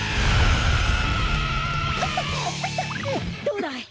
どうだい？